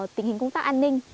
tình hình công tác an ninh